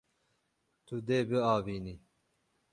Tu dê biavînî.